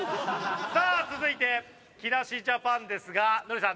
さあ続いて木梨ジャパンですがノリさんどうしましょう？